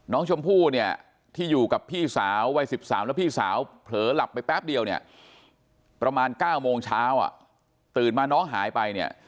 น้องชมพู่เนี่ยที่อยู่กับพี่สาววัย๑๓แล้วพี่สาวเผลอหลับไปแป๊บเดียวเนี่ยประมาณ๙โมงเช้าตื่นมาน้องหายไปเนี่ย